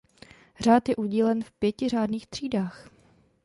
Řád je udílen v pěti řádných třídách.